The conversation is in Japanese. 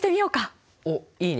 おっいいね！